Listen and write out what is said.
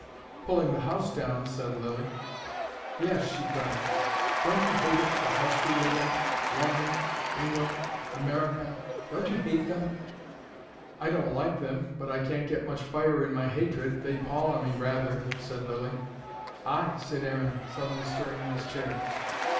"Pulling the house down," said Lilly. "Yes," she cried. "Don't you hate it, the house we live in London England America! Don't you hate them?" "I don't like them. But I can't get much fire in my hatred. They pall on me rather," said Lilly. "Ay!" said Aaron, suddenly stirring in his chair.